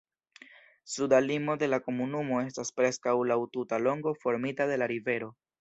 Suda limo de la komunumo estas preskaŭ laŭ tuta longo formita de la rivero.